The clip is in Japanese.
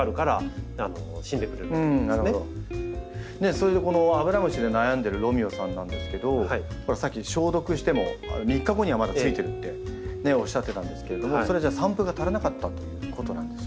それでこのアブラムシで悩んでるロミオさんなんですけどさっき消毒しても３日後にはまたついてるっておっしゃってたんですけれどもそれはじゃあ散布が足らなかったということなんですか？